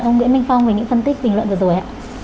ông nguyễn minh phong về những phân tích bình luận vừa rồi